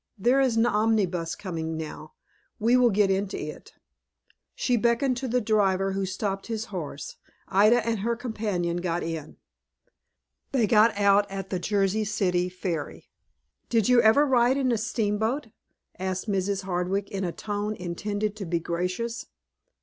There is an omnibus coming now. We will get into it." She beckoned to the driver who stopped his horse. Ida and her companion got in. They got out at the Jersey City ferry. "Did you ever ride in a steamboat?" asked Mrs. Hardwick, in a tone intended to be gracious.